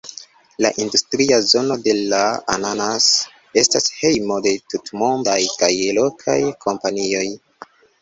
La industria zono de Ra'anana's estas hejmo de tutmondaj kaj lokaj kompanioj.